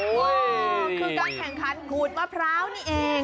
คือการแข่งขันหูดมะพร้าวนี่เอง